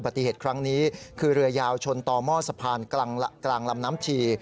ปฏิเหตุครั้งนี้คือเรือยาวชนต่อหม้อสะพานกลางลำน้ำชี